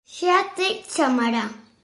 Xa te chamará.